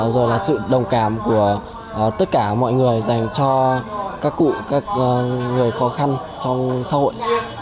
rồi là sự đồng cảm của tất cả mọi người dành cho các cụ các người khó khăn trong xã hội